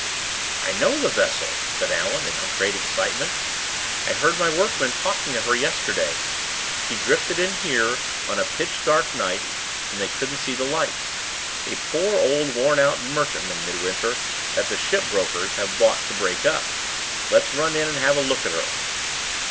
"I know the vessel," said Allan, in great excitement. "I heard my workmen talking of her yesterday. She drifted in here, on a pitch dark night, when they couldn't see the lights; a poor old worn out merchantman, Midwinter, that the ship brokers have bought to break up. Let's run in and have a look at her."